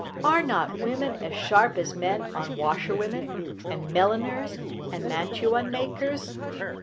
Are not women as sharp as men on washerwomen, and milliners, and mantua makers?